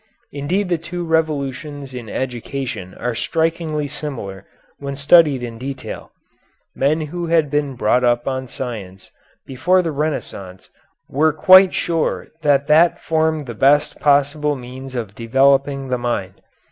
Indeed the two revolutions in education are strikingly similar when studied in detail. Men who had been brought up on science before the Renaissance were quite sure that that formed the best possible means of developing the mind.